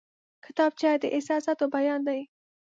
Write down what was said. کتابچه د احساساتو بیان دی